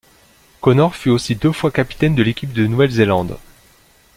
Connor fut aussi deux fois capitaine de l'équipe de Nouvelle-Zélande.